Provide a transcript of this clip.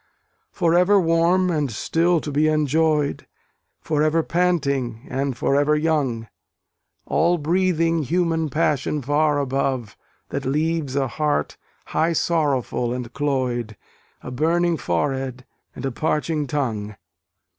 For ever warm and still to be enjoy'd, For ever panting, and for ever young; All breathing human passion far above, That leaves a heart high sorrowful and cloy'd, A burning forehead, and a parching tongue.